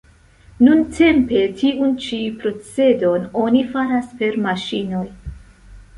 Nuntempe tiun ĉi procedon oni faras per maŝinoj.